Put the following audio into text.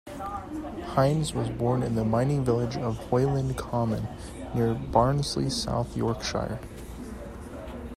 Hines was born in the mining village of Hoyland Common near Barnsley, South Yorkshire.